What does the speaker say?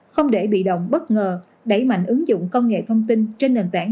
không để bị động bất ngờ đẩy mạnh ứng dụng công nghệ thông tin trên nền tảng